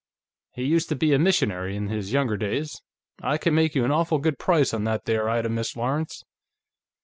He used to be a missionary, in his younger days.... I can make you an awful good price on that there item, Miss Lawrence."